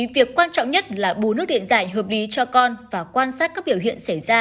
việc quan trọng nhất là bù nước điện giải hợp lý cho con và quan sát các biểu hiện xảy ra